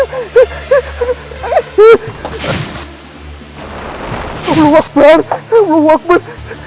kamu akan selamat kamu akan selamat